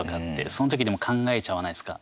そのときでも考えちゃわないですか。